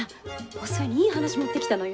お寿恵にいい話持ってきたのよ。